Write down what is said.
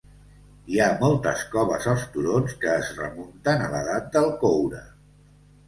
Hi ha moltes coves als turons que es remunten a l'edat del coure.